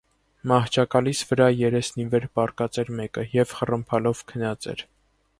Մահճակալիս վրա երեսնիվեր պառկած էր մեկը և խռմփալով քնած էր: